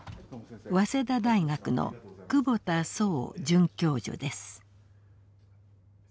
早稲田大学の久保田荘准教授です。